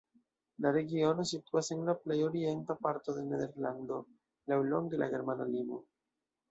La regiono situas en la plej orienta parto de Nederlando, laŭlonge la germana limo.